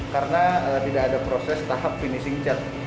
karena tidak ada proses tahap finishing chat